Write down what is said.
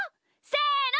せの！